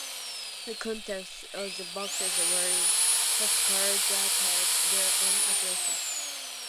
The contents of the boxes were postcards that had their own addresses.